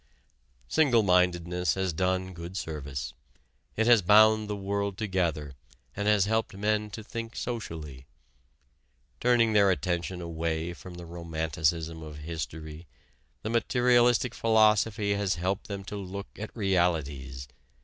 Singlemindedness has done good service. It has bound the world together and has helped men to think socially. Turning their attention away from the romanticism of history, the materialistic philosophy has helped them to look at realities.